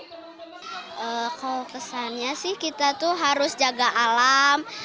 kalau kesannya sih kita tuh harus jaga alam